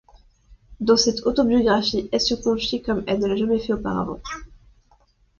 Dans cette autobiographie, elle se confie comme elle ne l'a jamais fait auparavant.